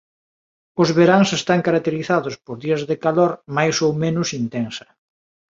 Os veráns están caracterizados por días de calor máis ou menos intensa.